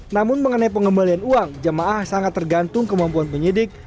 namun mengenai pengembalian uang jemaah sangat tergantung kemampuan penyidik